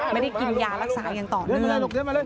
ไม่ได้กินยารักษาอย่างต่อเนื่อง